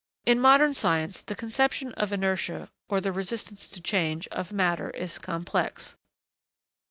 In modern science, the conception of the inertia, or resistance to change, of matter is complex.